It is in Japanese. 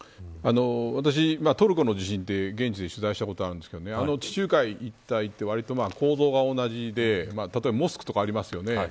私、トルコの地震で現地で取材したことがあるんですけど地中海一帯ってわりと構造が同じで例えばモスクとかありますよね。